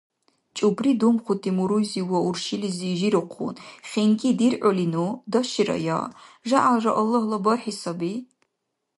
ЧӀупри думхути муруйзи ва уршилизи жирухъун: – ХинкӀи диргӀулину, даширая! ЖягӀялра Аллагьла бархӀи саби!